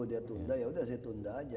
dia tunda yaudah saya tunda aja